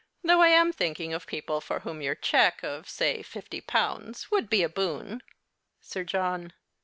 Though I am thinking of people for whom your cheque, of say fifty pounds, would be a boon. Sir John.